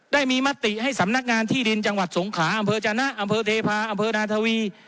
ได้มีมติให้สำนักงานที่ดินจังหวัดสงขาอำเภอจนะอำเภอเทพาะอำเภอนาทวี